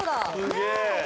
ねえ。